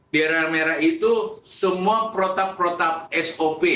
di daerah merah itu semua protak protak sop